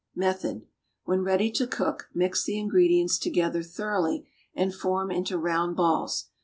Method. When ready to cook, mix the ingredients together thoroughly and form into round balls.